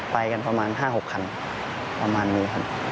ไปกันประมาณ๕๖คันประมาณนี้ครับ